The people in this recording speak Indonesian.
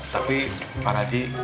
tapi pak narji